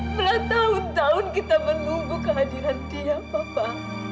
belah tahun tahun kita menunggu kehadiran dia papa